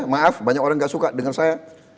maaf banyak orang gak suka dengan saya